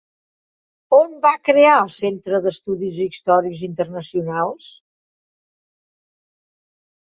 On va crear el Centre d'Estudis Històrics Internacionals?